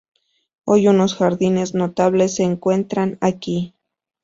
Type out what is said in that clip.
Hoy unos jardines notables se encuentran aquí.